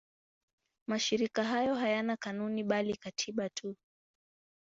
Mashirika hayo hayana kanuni bali katiba tu.